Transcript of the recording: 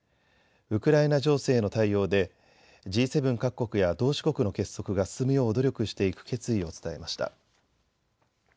ウクライナ情勢への対応でＧ７各国や同志国の結束が進むよう努力していく決意を伝えました。